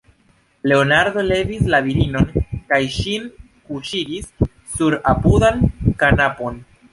Leonardo levis la virinon kaj ŝin kuŝigis sur apudan kanapon.